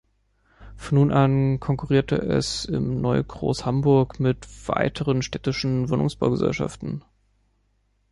Von nun an konkurrierte es im neuen Groß-Hamburg mit weiteren städtischen Wohnungsbaugesellschaften.